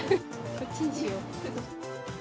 こっちにしよう。